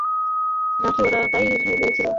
নাকি ওরা তাই ভেবেছিল।